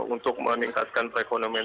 untuk meningkatkan perekonomian